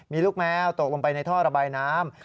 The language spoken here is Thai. มีลูกแมวตกลงไปในท่อระบายน้ำ